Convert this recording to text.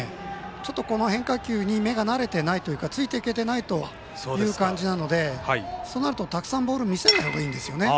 ちょっとこの変化球に目が慣れていないというかついていけてないという感じなのでそうなると、たくさんボール見せない方がいいんですよね。